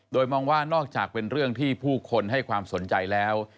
โดยมองว่านอกจากเป็นเรื่องที่ผู้คนให้ความสนใจแล้ว